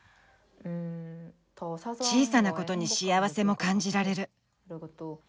小さなことに幸せも感じられる。